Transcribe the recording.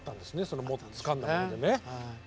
そのつかんだものでね。